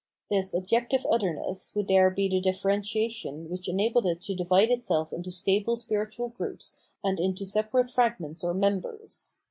This objective otherness would there be the differentiation which enabled it to divide itself into stable spiritual groups and into separate fragments or members.